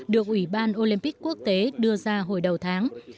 được ủy ban olympic quốc tế đưa ra hồi đầu tháng